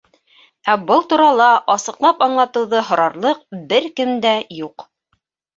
Ә был турала асыҡлап аңлатыуҙы һорарлыҡ бер кем дә юҡ.